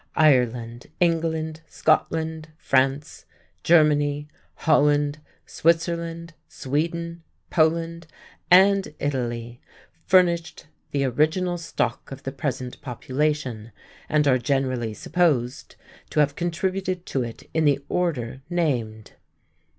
Ireland, England, Scotland, France, Germany, Holland, Switzerland, Sweden, Poland, and Italy furnished the original stock of the present population, and are generally supposed to have contributed to it in the order named.